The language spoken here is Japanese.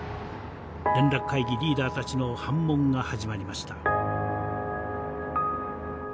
連絡会議リーダーたちの煩悶が始まりました。